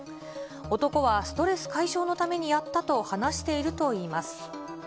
男はストレス解消のためにやったと話しているといいます。